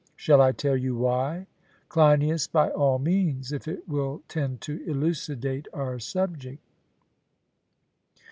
Shall I tell you why? CLEINIAS: By all means, if it will tend to elucidate our subject.